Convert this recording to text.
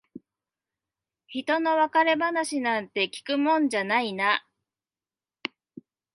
ひとの別れ話なんて聞くもんじゃないな。